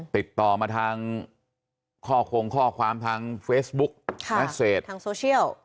ติดต่อมาทางข้อคงข้อความทางเฟซบุ๊กแมสเซจทางโซเชียล